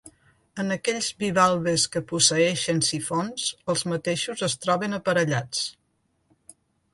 En aquells bivalves que posseeixen sifons, els mateixos es troben aparellats.